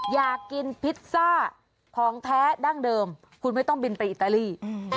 อยากกินพิซซ่าของแท้ดั้งเดิมคุณไม่ต้องบินไปอิตาลี